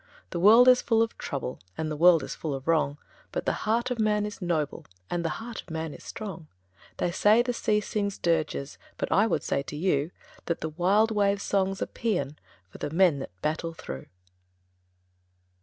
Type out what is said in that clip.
The world is full of trouble, And the world is full of wrong, But the heart of man is noble, And the heart of man is strong! They say the sea sings dirges, But I would say to you That the wild wave's song's a paean For the men that battle through.